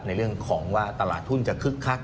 ในเรื่องของว่าตลาดทุนจะคึกคัก